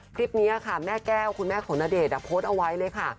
คลิปนี้ค่ะแม่แก้วคุณแม่ของณเดชน์โพสต์เอาไว้เลยค่ะ